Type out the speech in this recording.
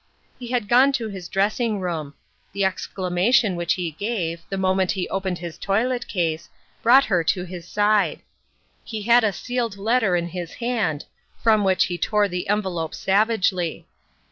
He had gone to his dressing room ; the exclamation which he gave, the moment he opened his toilet case, brought her to his side. He had a sealed letter in his hand, from which he tore the envelope savagely.